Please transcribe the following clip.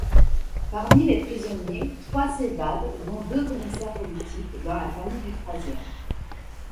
Parmi les prisonniers, trois s'évadent dont deux commissaires politiques, dans la famille du troisième.